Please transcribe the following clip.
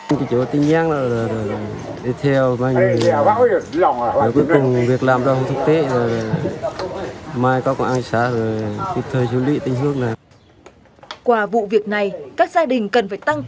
nói chung là việc làm đó không thích tết